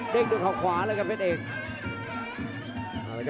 เด็กด้วยข้อขวาเลยครับเพชรเอก